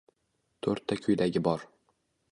To‘rtta kuylagi bor.